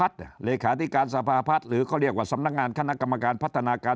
เลขาธิการสภาพัฒน์หรือเขาเรียกว่าสำนักงานคณะกรรมการพัฒนาการ